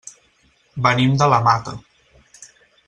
Venim de la Mata.